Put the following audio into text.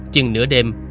chừng nửa đêm